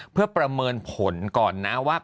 เพื่อประเมินผลก่อนนะว่า